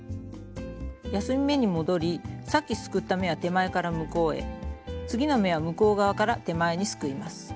休み目に戻りさっきすくった目は手前から向こうへ次の目は向こう側から手前にすくいます。